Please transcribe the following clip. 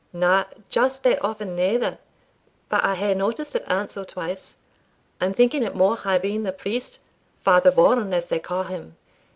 "No just that often neither; but I hae noticed it ance or twice. I'm thinking it maun hae been the priest, Father Vaughan, as they ca' him.